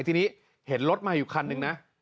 ทีนี้เห็นรถมาอยู่คันหนึ่งนะ